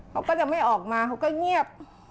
เขาก็จะไม่ออกมาเขาก็เงียบ